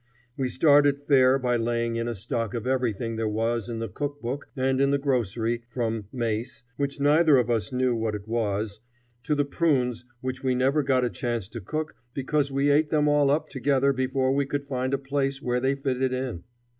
We started fair by laying in a stock of everything there was in the cook book and in the grocery, from "mace," which neither of us knew what was, to the prunes which we never got a chance to cook because we ate them all up together before we could find a place where they fitted in.